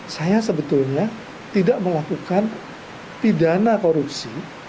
saya sebetulnya tidak melakukan pidana korupsi